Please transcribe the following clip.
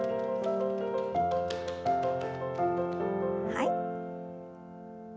はい。